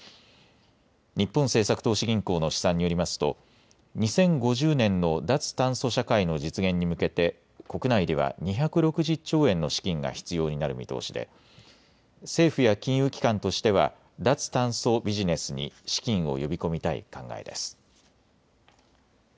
日本政策投資銀行の試算によりますと２０５０年の脱炭素社会の実現に向けて国内では２６０兆円の資金が必要になる見通しで政府や金融機関としては脱炭素ビジネスに資金を呼び込みたい考えです。